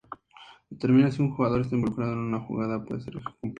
Determinar si un jugador está involucrado en una jugada puede ser complejo.